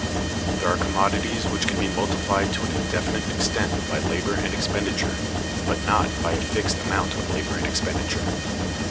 There are commodities which can be multiplied to an indefinite extent by labor and expenditure, but not by a fixed amount of labor and expenditure.